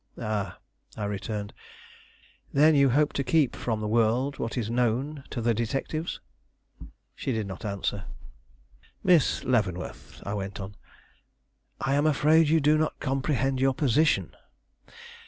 "Ah," I returned; "then you hope to keep from the world what is known to the detectives?" She did not answer. "Miss Leavenworth," I went on, "I am afraid you do not comprehend your position.